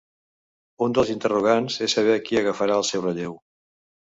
Un dels interrogants és saber qui agafarà el seu relleu.